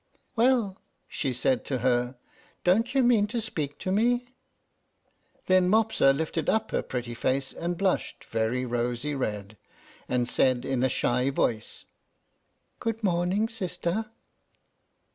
"Well," she said to her, "don't you mean to speak to me?" Then Mopsa lifted up her pretty face and blushed very rosy red, and said, in a shy voice, "Good morning sister."